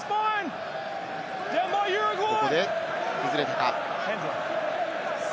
ここで、崩れたか？